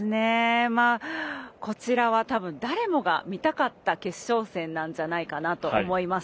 こちらはたぶん誰もが見たかった決勝戦なんじゃないかなと思います。